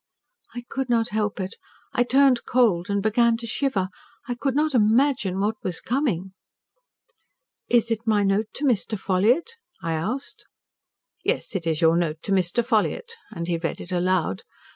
I could not help it I turned cold and began to shiver. I could not imagine what was coming." "'Is it my note to Mr. Ffolliott?' I asked. "'Yes, it is your note to Mr. Ffolliott,' and he read it aloud.